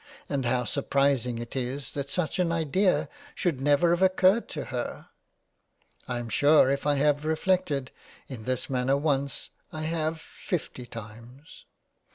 And how surprising it is that such an Idea should never have occurred to her. I am sure if I have reflected in this manner once, I have fifty times.